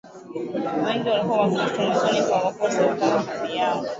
wengi walikuwa Wakristo Machoni pa wakuu wa serikali hali hiyo